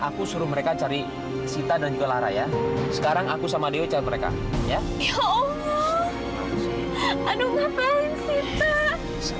aku suruh mereka cari sita dan juga lara ya sekarang aku sama deo cari mereka ya